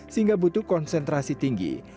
sehingga butuh konsentrasi tinggi